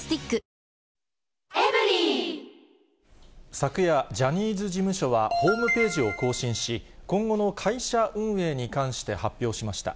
昨夜、ジャニーズ事務所はホームページを更新し、今後の会社運営に関して発表しました。